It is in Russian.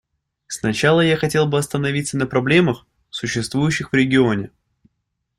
Сначала я хотел бы остановиться на проблемах, существующих в регионе.